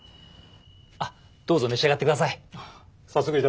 あっどうぞ召し上がって下さい。